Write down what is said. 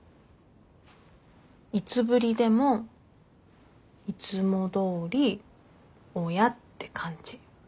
いつぶりでもいつもどおり親って感じ。